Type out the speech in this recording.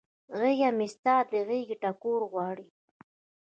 غیږه مې ستا د غیږ ټکور غواړي